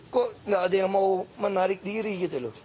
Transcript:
kok nggak ada yang mau menarik diri gitu loh